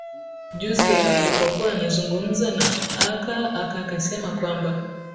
juzi ya alipokuwa anazungumza na aka aka akasema kwamba